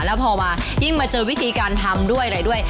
แล้วพอมายิ่งมาเจอวิธีการทำด้วยอะไรด้วย